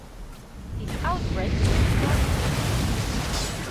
This outbreak was eradicated.